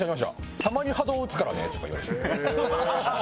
「たまに波動撃つからね」とか言われて。